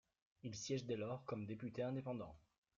Il siège dès lors comme député indépendant.